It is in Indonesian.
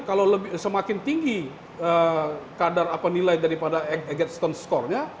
kalau semakin tinggi kadar nilai daripada eggstone skornya